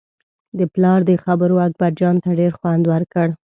د پلار دې خبرو اکبرجان ته ډېر خوند ورکړ.